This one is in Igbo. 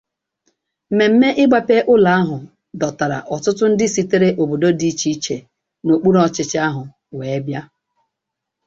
Mmemme ịgbape ụlọ ahụ dọtara ọtụtụ ndị sitere obodo dị icheiche n'okpuruọchịchị ahụ wee bịa